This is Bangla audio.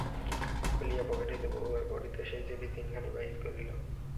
বলিয়া পকেট হইতে বহুবার পঠিত সেই চিঠি তিনখানি বাহির করিল।